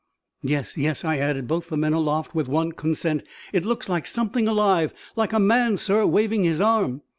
"Yes, yes," added both the men aloft, with one consent. "It looks like something alive like a man, sir, waving his arm!"